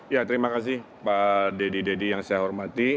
ya terima kasih pak deddy deddy yang saya hormati